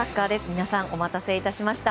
皆さん、お待たせいたしました。